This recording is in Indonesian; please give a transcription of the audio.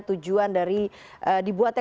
tujuan dari dibuatnya